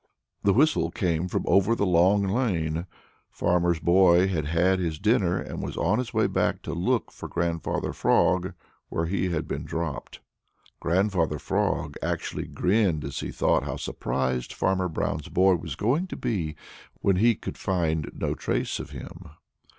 The whistle came from over in the Long Lane. Farmer Brown's boy had had his dinner and was on his way back to look for Grandfather Frog where he had been dropped. Grandfather Frog actually grinned as he thought how surprised Farmer Brown's boy was going to be when he could find no trace of him.